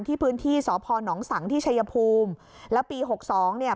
ที่พื้นที่สพนสังที่ชัยภูมิแล้วปีหกสองเนี่ย